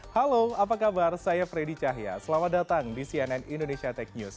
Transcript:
halo apa kabar saya freddy cahya selamat datang di cnn indonesia tech news